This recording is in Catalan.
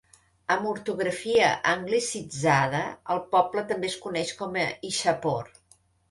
Amb ortografia anglicitzada, el poble també es coneix com a Ishapore.